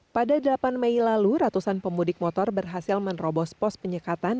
pada delapan mei lalu ratusan pemudik motor berhasil menerobos pos penyekatan